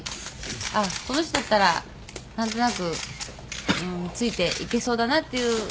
あっこの人だったらなんとなくついていけそうだなっていう」